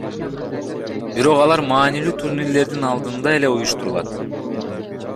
Бирок алар маанилүү турнирлердин алдында эле уюштурулат.